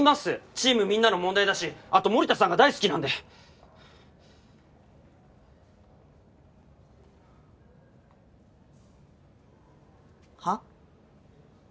チームみんなの問題だしあと森田さんが大好きなんで。は？